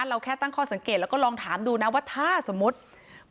เราแค่ตั้งข้อสังเกตแล้วก็ลองถามดูนะว่าถ้าสมมุติ